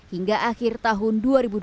hingga akhir tahun dua ribu dua puluh